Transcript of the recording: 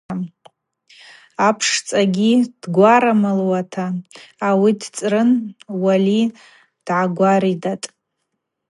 Апшцӏагьи дгварамылуата ауи дцӏрын Уали дгӏагваридатӏ.